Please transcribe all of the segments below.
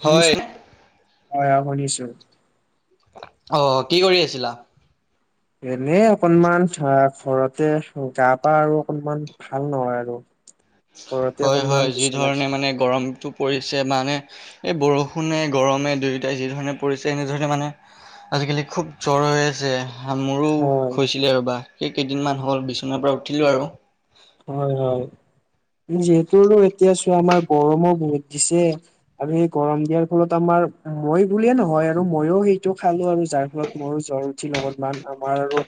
শুনিছো হয় অ শুনিছোঁ অ কি কৰি আছিলা এনে অকনমান আহ ঘৰতে গা পা আৰু অকনমান ভাল নহয় আৰু হয় হয় যি ধৰণে মানে গৰমটো পৰিছে মানে এই বৰষুণে গৰমে দুয়োটাই যিধৰণে পৰিছে এনেধৰণে মানে আজিকালি খুব জ্বৰ হৈ আছে হা মোৰো হৈছিলে ৰবা এই কেইদিনমান হ'ল বিচনাৰ পৰা উঠিলোঁ আৰু হয় হয় যিহেতু এতিয়া চোৱা আমাৰ গৰমৰ বহুত দিছে আৰু সেই গৰম দিয়াৰ ফলত আমাৰ মই বুলিয়ে নহয় আৰু মইয়ো সেইটো খালো আৰু যাৰ ফলত মোৰো জ্বৰ উঠি নগ'ল মান আমাৰ আৰু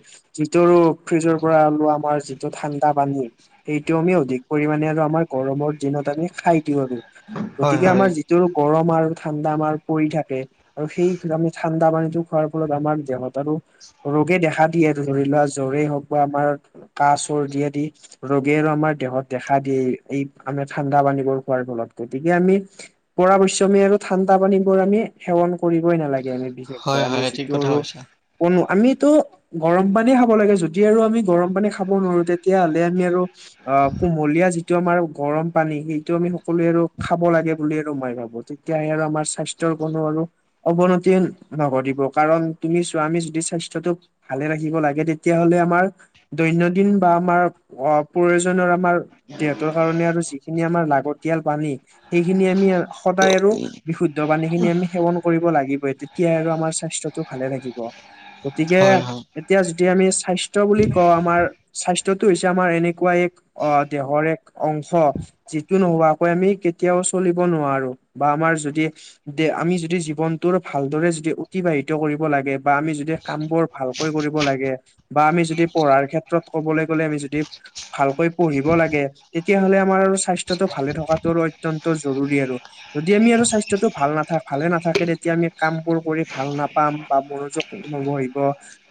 যিটোৰো ফ্ৰিজৰ পৰা লোৱা আমাৰ যিটো ঠাণ্ডা পানী সেইটো আমি অধিক পৰিমণে আৰু আমাৰ গৰমৰ দিনত আমি খাই দিওঁ আৰু গতিকে আমাৰ যি গৰম আৰু ঠাণ্ডা আমাৰ পৰি থাকে আৰু সেইটো আমি ঠাণ্ডা পানীটো খোৱাৰ ফলত আমাৰ দেহত আৰু ৰোগে দেখা দিয়ে আৰু ধৰি লোৱা জ্বৰেই হওক বা আমাৰ কাহ চৰ্দিয়ে আদি ৰোগে আৰু আমাৰ দেহত দেখা দিয়ে এই আমি ঠাণ্ডা পানীবোৰ খোৱাৰ ফলত গতিকে আমি পৰাবশ্য আমি আৰু ঠাণ্ডা পানীবোৰ আমি সেৱন কৰিবই নালাগে আমি ঠিক কৰে আমি যিটোৰো কোনো আমিতো গৰম পানী খাব লাগে যদি আৰু আমি গৰম পানী খাব নোৱাৰো তেতিয়াহলে আ আমি আৰু অ কুমলীয়া যিটো আমাৰ গৰম পানী সেইটো আমি সকলোৱে আৰু খাব লাগে বুলি আৰু মই ভাবো তেতিয়াহে আৰু আমাৰ স্বাস্থ্যৰ কোনো আৰু অৱনতি নকৰিব কাৰণ তুমি চোৱা আমি যদি স্বাস্থ্যটোক ভালে ৰাখিব লাগে তেতিয়াহলে আমাৰ দৈনন্দিন বা আমাৰ অ প্ৰয়োজনৰ আমাৰ দেহতৰ কাৰণে আৰু যিখিনি আমাৰ লাগতিয়াল পানী সেইখিনি আমি সদায় আৰু বিশুদ্ধ পানী খিনি আমি সেৱন কৰিব লাগিবই, তেতিয়াই আৰু আমাৰ স্বাস্থ্যটো ভালে থাকিব। গতিকে এতিয়া যদি আমি স্বাস্থ্যয় বুলি কওঁ আমাৰ স্বাস্থ্যটো হৈছে আমাৰ এনেকুৱা এক অ দেহৰ এক অংশ যিটো নোহোৱাকৈ আমি কেতিয়াও চলিব নোৱাৰো বা আমাৰ যদি দে আমি যদি জীৱনটো ভালদৰে যদি অতিবাহিত কৰিব লাগে বা আমি যদি কামবোৰ ভালকৈ কৰিব লাগে বা আমি যদি পঢ়াৰ ক্ষেত্ৰত ক'বলৈ গ'লে আমি যদি যদি ভালকৈ পঢ়িব লাগে, তেতিয়া হ'লে আমাৰ স্বাস্থ্যটো ভালে থকাটো অতন্ত জৰুৰী আৰু। যদি আমি আৰু স্বাস্থ্যতটো ভাল নাথ ভালে নাথাকে তেতিয়া আমি কাম বোৰ কৰি ভাল নাপাম বা মনযোগ নবহিব,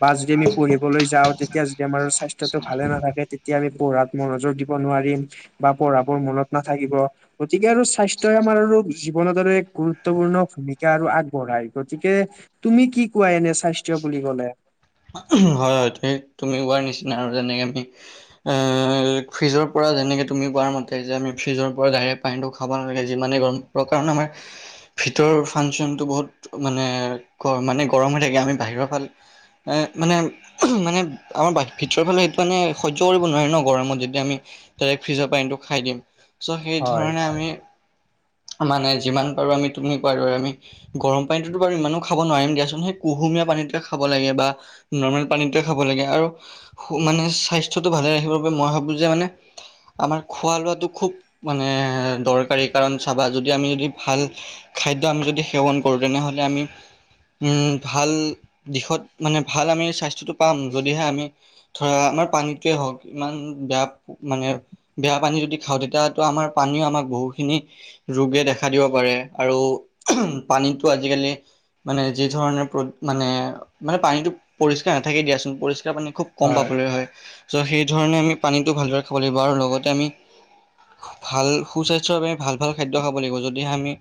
বা যদি আমি পঢ়িবলৈ যাওঁ তেতিয়া যদি আমাৰ স্বাস্থ্যটো ভালে নাথাকে তেতিয়া আমি পঢ়াত মনোযোগ দিব নোৱাৰিম বা পঢ়াবোৰ মনত নাথাকিব। গতিকে আৰু স্বাস্থ্যই আমাৰ আৰু জীৱনত আৰু এক গুৰুত্বপূৰ্ণ ভূমিকা আৰু আগবঢ়ায়। গতিকে তুমি কি কোৱা এনে স্বাস্থ্য বুলি কলে? হয় হয় ঠিক তুমি কোৱাৰ নিচিনা আৰু যেনেকৈ আমি ফ্ৰিজৰ পৰা যেনেকৈ তুমি কোৱাৰ মতে যে আমি ফ্ৰিজৰ পৰা ডাইৰেক্ট পানীটো খাব নালাগে, যিমানেই গৰম কাৰণ আমাৰ ভিতৰৰ ফাংচনটো বহুত মানে মানে গৰম হৈ থাকে, আমি বাহিৰৰ ফাল [inaudible] মানে মানে আমাৰ ভিতৰৰ ফালে সেইটো মানে সহ্য কৰিব নোৱাৰে ন গৰমত যেতিয়া আমি তা ফ্ৰিজৰ পানীটো খাই দিম। চ' সেই ধৰণে আমি মানে যিমান পাৰোঁ আমি তুমি কোৱাৰ ধৰে আমি গৰম পানীটো বাৰু ইমানো খাব নোৱাৰিম দিয়াচোন, সেই কুহুমীয়া পানীটোকে খাব লাগে বা নৰ্মেল পানীটোৱে খাব লাগে আৰু মানে স্বাস্থ্যটো ভালে ৰাখিবৰ বাবে মই ভাবো যে মানে আমাৰ খোৱা লোৱাটো খুব মানে দৰকাৰী। কাৰণ চাবা যদি আমি যদি ভাল খাদ্য আমি যদি সেৱন কৰো তেনেহ'লে আমি ভাল দিশত মানে ভাল আমি স্বাস্থ্যটো পাম যদিহে আমি ধৰা আমাৰ পানীটোৱে হওক ইমান বেয়া মানে বেয়া পানী যদি খাওঁ তেতিয়াতো আমাৰ পানীও আমাক বহুতখিনি ৰোগে দেখা দিব পাৰে আৰু পানীতো আজিকালি মানে যি ধৰণে মানে মানে পানীটো পৰিষ্কাৰ নাথাকে দিয়াচোন পৰিষ্কাৰ পানী খুব কম পাবলৈ হয়। চ সেইধৰণে আমি পানীটো ভালদৰে খাব লাগিব আৰু লগতে আমি ভাল সুস্বাস্থ্যৰ বাবে আমি ভাল ভাল খাদ্য খাব লাগিব যদিহে আমি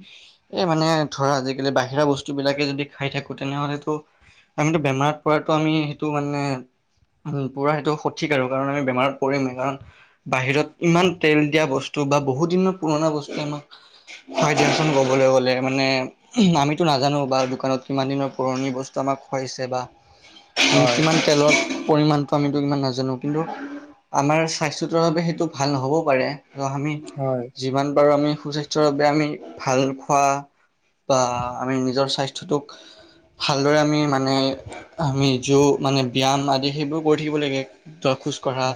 এই মানে ধৰা আজিকালি বাহিৰা বস্তু বিলাকে যদি খাই থাকো তেনেহলেতো আমিতো বেমাৰত পৰাতো আমি সেইটো মানে পুৰা সেইটো সঠিক আৰু কাৰণ আমি বেমাৰত পৰিমেই। কাৰণ বাহিৰত ইমান তেল দিয়া বস্তু বা বহুত দিনৰ পুৰণা বস্তু আমাক হয় দিয়াচোন ক'বলৈ গ'লে মানে আমিতো নাজানো বা দোকানত কিমান দিনৰ পুৰণি বস্তু আমাক খুৱাইছে বা কিমান তেলৰ পৰিমাণটো আমিতো ইমান নাজানো কিন্তু আমাৰ স্বাস্থ্যতৰ বাবে সেইটো ভাল নহ'বও পাৰে। আমি যিমান বাৰু আমি সুস্বাস্থ্যৰ বাবে আমি ভাল খোৱা বা আমি নিজৰ স্বাস্থ্যটোক ভালদৰে আমি মানে আমি যৌ মানে ব্যায়াম আদি সেইবোৰ কৰি থাকিব লাগে। খোজ কঢ়া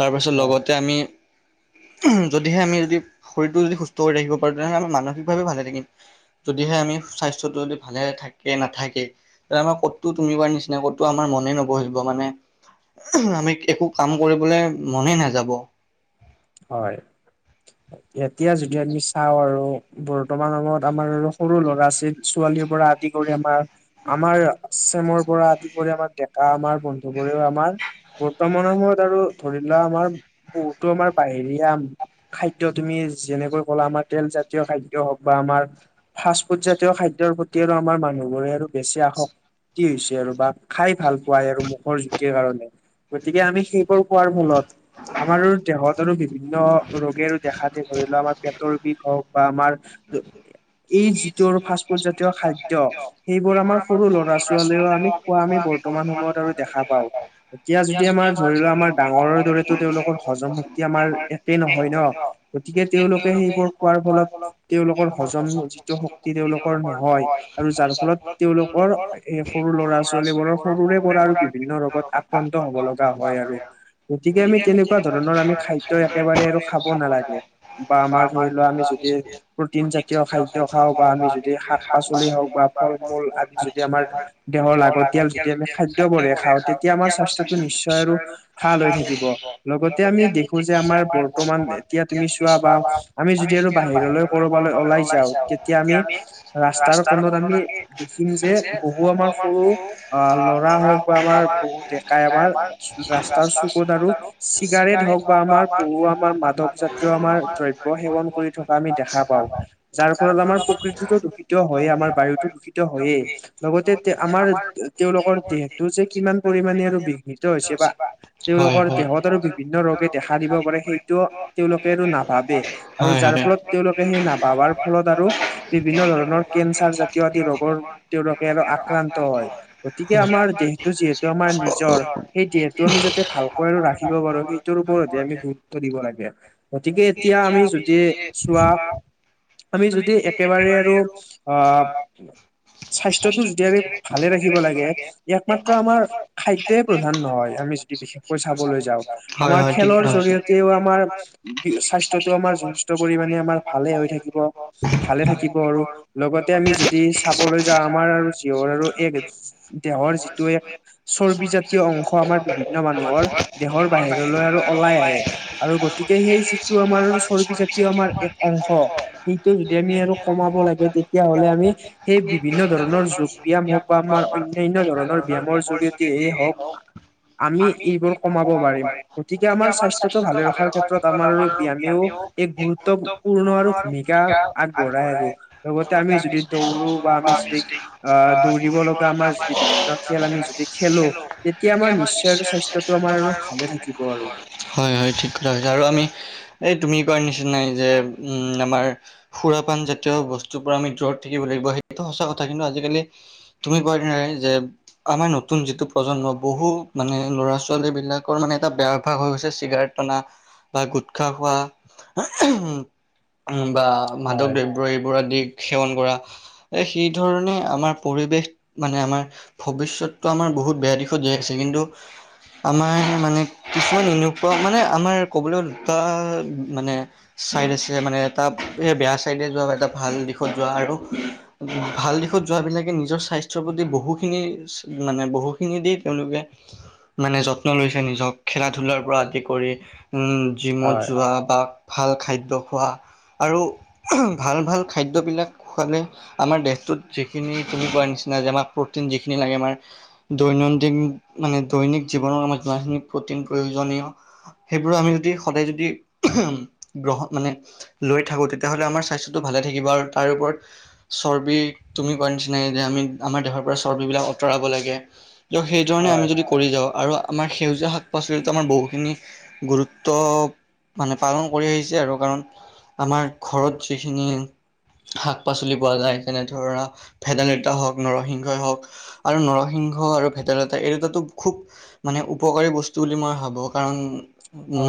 তাৰপিছত লগতে আমি যদিহে আমি যদি শীৰটো যদি সুস্থ হৈ থাকিব পাৰে, তেনেহলে আমি মানসিক ভাৱেও ভালে থাকিম। যদিহে আমি স্বাস্থ্যটো যদি ভালে থাকে, নাথাকে। আমাৰ ক'তটো তুমি কোৱাৰ নিচিনা ক'তো আমাৰ মনেই নবহিব মানে আমি একো কাম কৰিবলে মনেই নাযাব। হয়। এতিয়া যদি আমি চাওঁ আৰু বৰ্তমান সময়ত আমাৰ সৰু ল'ৰা আছিল ছোৱালীৰ পৰা আদি কৰি আমাৰ আমাৰ আচেমৰ পৰা আদি কৰি আমাৰ ডেকা আমাৰ বন্ধুবোৰেও আমাৰ বৰ্তমান সময়ত আৰু ধৰি লোৱা আমাৰ বহুতো আমাৰ বাহিৰিয়া খাদ্য তুমি যেনেকৈ ক'লা আমাৰ তেলজাতীয় খাদ্য হওক বা আমাৰ ফাষ্টফুডজাতীয় খাদ্যৰ প্ৰতি আৰু আমাৰ মানুহবোৰে আৰু বেছি আশক তি হৈছে আৰু বা খাই ভাল পোৱাই আৰু মুখৰ জুতিৰ কাৰণে গতিকে আমি সেইবোৰ পোৱাৰ মূলত আমাৰো দেহত ৰো বিভিন্ন ৰোগে দেখা দিয়ে ধৰি লও আমাৰ পেটৰ বিষ হওক বা আমাৰ এই যিটো আৰু ফাষ্টফুড জাতীয় খাদ্য, সেইবোৰ আমাৰ সৰু ল'ৰা ছোৱালীও আমি খোৱা আমি বৰ্তমান সময়ত আৰু দেখা পাওঁ। এতিয়া যদি আমাৰ ধৰি লোৱা আমাৰ ডাঙৰ দৰেটো তেওঁলোকৰ হজম শক্তি আম আমাৰ একেই নহয় ন, গতিকে তেওঁলোকে সেইবোৰ খোৱাৰ ফলত তেওঁলোকৰ হজম যিটো শক্তি তেওঁলোকৰ নহয় আৰু যাৰ ফলত তেওঁলোকৰ এই সৰু ল'ৰা ছোৱালীবোৰৰ সৰুৰে পৰা আৰু বিভিন্ন ৰোগত আক্ৰান্ত হ'ব লগা হয় আৰু গতিকে, আমি তেনেকুৱা ধৰণৰ আমি খাই দ্য একেবাৰে আৰু খাব নালাগে বা আমাৰ ধৰি লোৱা আমি যদি প্ৰটিন জাতীয় খাদ্য খাওঁ বা আমি যদি শাক পাচলি হওঁক বা ফল মূল আদি যদি আমাৰ দেহৰ লাগতিয়াল যদি আমি খাদ্য বোৰহে খাওঁ তেতিয়া আমাৰ স্বাস্থ্যটো নিশ্চয় আৰু ভাল হৈ থাকিব। লগতে আমি দেখোঁ যে আমাৰ বৰ্তমান এতিয়া তুমি চোৱা বা আমি যদি আৰু বাহিৰলৈ কৰো বালৈ ওলাই যাওঁ তেতিয়া আমি ৰাস্তাৰ কোণত আমি দেখিম যে বহু আমাৰ সৰু অ, ল'ৰা হওঁক বা আমাৰ বহুত ডেকাই আমাৰ ৰাস্তাৰ চুকত আৰু চিগাৰেট হওঁক বা আমাৰ বহু আমাৰ মাদক জাতীয় আমাৰ দ্ৰব্য সেৱন কৰি আমি দেখা পাওঁ। যাৰ ফলত আমাৰ প্ৰকৃতিতো দূষিত হয়েই, আমাৰ বায়ুটো দূষিত হয়েই লগতে তে আমাৰ তেওঁলোকৰ দেহটো যে কিমান পৰিমাণে আৰু বিঘ্নত হৈছে বা তেওঁলোকৰ দেহত আৰু বিভিন্ন ৰোগে দেখা সেইটোও তেওঁলোকে আৰু নাভাবে আৰু যাৰ ফলত তেওঁ সেই নাভাবাৰ ফলত আৰু বিভিন্ন ধৰণৰ কেঞ্চাৰ জাতীয় আদি ৰোগৰ তেওঁলোকে আৰু আক্ৰান্ত হয়। গতিকে আমাৰ দেহটো যিহেতু আমাৰ নিজৰ সেই দেহতটো আমি যাতে ভালকৈ আৰু ৰাখিব পাৰো সেইটোৰ ওপৰতে আমি তে গুৰুত দিব লাগে, গতিকে এতিয়া আমি যদি চোৱা আমি যদি একেবাৰে আৰু অ স্বাস্থ্যটো যদি আমি ভালে ৰাখিব লাগে, ইয়াক মাত্ৰ আমাৰ খাদ্যই প্ৰধান নহয়। আমি যদি বিশেষ কৈ চাবলৈ যাওঁ আমাৰ খেল জৰিয়তেও আমাৰ স্বাস্থ্যটো আমাৰ যথেষ্ট পৰিমানে আমাৰ ভালে হৈ থাকিব। ভালে থাকিব আৰু লগতে আমি যদি চাবলৈ যাওঁ আমাৰ আৰু জীৱৰ আৰু এক দেহৰ যিটো এক চৰ্বিজাতীয় অংশ আমাৰ বিভিন্ন মানুহৰ দহৰ বাহিৰলৈ আৰু পাই আহে আৰু গতিকে সেই যিটো আমাৰ চৰ্বি জাতীয় আমাৰ এক অংশ সেইটো যদি আমি আৰু কমাব লাগে তেতিয়াহ'লে আমি সেই বিভিন্ন ধৰণৰ যোগ ব্যয়াম হওঁক বা আমাৰ অন্যান ধৰণৰ ব্যয়ামৰ জৰিয়তে হওঁক আমি এইবোৰ কমাব পাৰিম। গতিকে আমাৰ স্বাস্থ্যটো ভালে ৰখাৰ ক্ষেত্ৰত আমাৰ ব্যায়ামেও এক গুৰুত্ব- পূৰ্ণ আৰু ভূমিকা আগবঢ়াই আৰু লগতে আমি যদি দৌৰো বা আমি যদি আহ দৌৰিব লগা আমাৰ যদি বিভিন্ন খেল আমি যদি খেলো তেতিয়া আমাৰ নিশ্চয় আৰু স্বাস্থ্য- টো আমাৰ আৰু ভালে থাকিব হয় হয় ঠিক কথা হৈছে আৰু আমি এই তুমি কৰোৱাই নিচিনাই যে- উম আমাৰ সুৰাপান জাতীয় বস্তুৰ পৰা আমি দূৰত থাকিব লাগিব সেইটোতো সঁচা কথা কিন্তু আজিকালি তুমি কোৱাদি নাই যে আমাৰ নতুন যিটো প্ৰজন্ম বহুত মানে ল'ৰা ছোৱালী বিলাকৰ মানে এটা বেয়া অভ্যাস হৈ হৈছে চিগাৰেট টনা বা গোট খা খোৱা উম বা মাদক দ্ৰব্য এইবোৰ আদি সেৱন কৰা। এ সেই ধৰণে আমাৰ পৰিৱেশ মানে আমাৰ ভৱিষ্যতটো আমাৰ বহুত বেয়া দিশত যাই আছে কিন্তু আমাৰ মানে কিছুমান এনেকুৱা মানে আমাৰ ক'বলৈ দুটা মানে ছাইড আছে মানে এটা এ বেয়া ছাইডে যোৱা বা এটা ভাল দিশত যোৱা আৰু ভাল দিশত যোৱাবিলাকে নিজৰ স্বাস্থ্যৰ প্ৰতি বহুখিনি মানে বহুখিনি দি তেওঁলোকে মানে যত্ন লৈছে নিজক খেলা-ধূলাৰ পৰা আদি কৰি উম জিমত যোৱা বা ভাল খাদ্য খোৱা আৰু ভাল ভাল খাদ্যবিলাক খোৱালে আমাৰ দেহটোত যিখিনি তুমি কোৱাৰ নিচিনা যে আমাক প্ৰটিন যিখিনি লাগে আমাৰ দৈনন্দিন মানে দৈনিক জীৱনৰ আমাৰ যিমানখিনি প্ৰটিন প্ৰয়োজনীয় সেইবোৰো আমি যদি সদায় যদি উ গ্ৰহ মানে লৈ থাকো তেতিয়াহ'লে আমাৰ স্বাস্থ্যটো ভালে থাকিব আৰু তাৰ ওপৰত চৰ্বি তুমি কোৱাৰ নিচিনাই যে আমি আমাৰ দেহৰ পৰা চৰ্বিবিলাক অতৰাব লাগে কিয় সেইধৰনে আমি যদি ক- কৰি যাওঁ আৰু আমাৰ সেউজীয়া শাক-পাচলিতো আমাৰ বহুখিনি গুৰুত্ব মানে পালন কৰি আহিছে আৰু কাৰণ আমাৰ ঘৰত যিখিনি শাক-পাচলি পোৱা যায় যেনে ধৰা ভেদাইলতা হওক, নৰসিংহই হওক আৰু নৰসিংহ আৰু ভেদাইলতা এই দুটাতো খুব মানে উপকাৰী বস্তু বুলি মই ভাবোঁ কাৰণ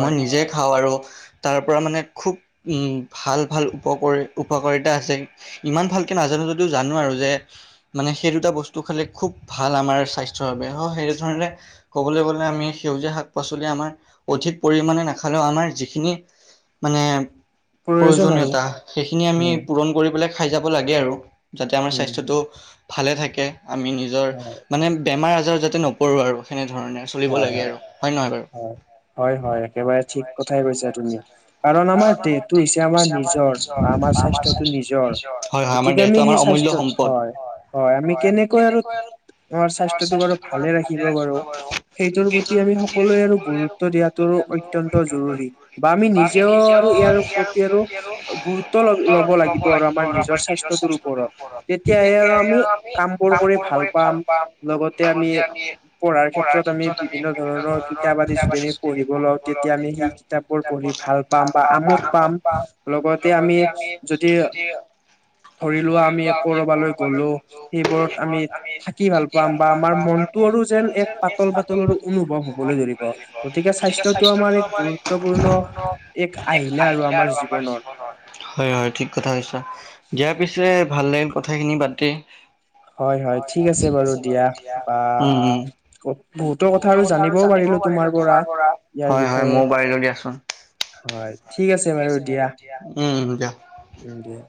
মই নিজে খাওঁ আৰু তাৰ পৰা মানে খুব উম ভাল ভাল উপকৰি উপকাৰিতা আছে ইমান ভালকে নাজানো যদিও জানো আৰু যে মানে সেই দুটা বস্তু খালে খুব ভাল আমাৰ স্বাস্থ্যৰ বাবে হ সেইধৰণে ক'বলৈ গ'লে আমি সেউজীয়া শাক -পাচলি আমাৰ অধিক পৰিমাণে নাখালেও আমাৰ যিখিনি মানে প্ৰয়োজনীয়তা সেইখিনি আমি পূৰণ কৰি পেলাই খাই যাব লাগে আৰু যাতে আমাৰ স্বাস্থ্যটো ভালে থাকে আমি নিজৰ মানে বেমাৰ আজাৰ যাতে নপৰোঁ আৰু সেনেধৰণে। হয় হয় হয় হয় হয় একেবাৰে ঠিক কথাই কৈছা তুমি কাৰণ আমাৰ তে- টো হৈছে আমাৰ নিজৰ বা আমাৰ স্বাস্থ্যটো নিজৰ, গতিকে আমি সেই স্বাস্থ্যত হয়। হয়, আমি কেনেকৈ আৰু আমাৰ স্বাস্থ্যটোক আৰু ভালে ৰাখিব পাৰো। সেইটোৰ প্ৰতি আমি সকলোৱে আৰু গুৰুত্ব দিয়াতটো অত্যয়ন্ত জৰুৰী বা আমি নিজেও আৰু ইয়াৰ। প্ৰতি আৰু গুৰুত্ব লব লাগিব আৰু আমাৰ নিজৰ স্বাস্থ্যটোৰ ওপৰত। তেতিয়াহে আৰু আমি কাম বোৰ কৰি ভাল পাম, লগতে আমি পঢ়াৰ ক্ষেত্ৰত। ক্ষেত্ৰত আমি বিভিন্ন ধৰণৰ কিতাপ আদি যদি আমি পঢ়িব লাওঁ তেতিয়া আমি সেই কিতাপবোৰ পঢ়ি ভাল। পাম বা আমোদ পাম, লগতে আমি যদি। ধৰি লোৱা আমি কৰবালৈ গলো, সেইবোৰত আমি থাকি ভাল পা। পাম বা আমাৰ মনতো আৰু যেন এক। পাতল - পাতলৰ অনুভৱ হবলৈ ধৰিব গতিকে স্বাস্থ্যটো আমাৰ এক গুৰুত্বপূৰ্ণ এক আহিলা আৰু আমাৰ জীৱনৰ হয় হয় ঠিক কথা কৈছা, দিয়া পিছে ভাল লাগিল কথাখিনি পাতি হয় হয় ঠিক আছে বাৰু দিয়া বা বহুতো কথা কথা আৰু জানিবও পাৰিলো তোমাৰ পৰা ইয়াৰ বিষয়ে হয় ঠিক আছে বাৰু দিয়া